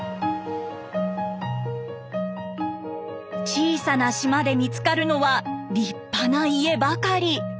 小さな島で見つかるのは立派な家ばかり。